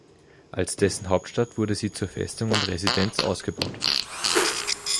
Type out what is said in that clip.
Als dessen Hauptstadt wurde sie zur Festung und Residenz ausgebaut.